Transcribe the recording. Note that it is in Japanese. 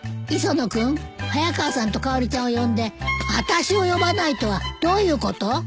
磯野君早川さんとかおりちゃんを呼んで私を呼ばないとはどういうこと？